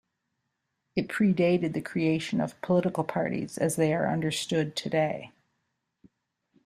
It predated the creation of political parties as they are understood today.